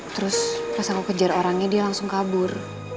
terus pas aku kejar orangnya dia langsung kabur